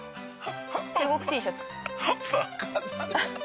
中国Ｔシャツ。